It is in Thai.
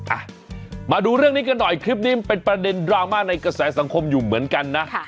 อ่ะมาดูเรื่องนี้กันหน่อยคลิปนี้มันเป็นประเด็นดราม่าในกระแสสังคมอยู่เหมือนกันนะ